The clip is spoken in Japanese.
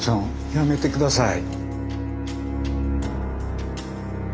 やめてください！